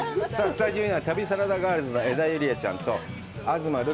スタジオには旅サラダガールズの江田友莉亜ちゃんと東留